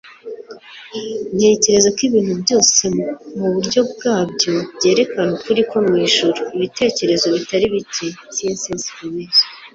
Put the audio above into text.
ntekereza ko ibintu byose, muburyo bwabyo, byerekana ukuri ko mu ijuru, ibitekerezo bitari bike - c s lewis